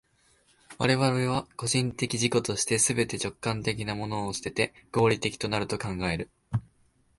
我々は個人的自己として、すべて直観的なるものを棄てて、合理的となると考える。